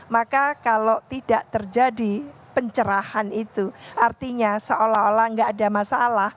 maka kalau tidak terjadi pencerahan itu artinya seolah olah tidak ada masalah